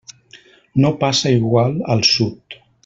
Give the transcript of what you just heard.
No passa igual al Sud.